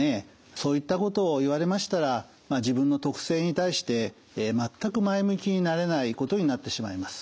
そういったことを言われましたら自分の特性に対して全く前向きになれないことになってしまいます。